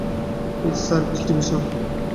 Youth service division.